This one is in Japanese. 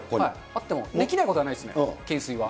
あっても、できないことはないですね、懸垂は。